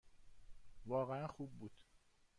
واقعاً خوب بود.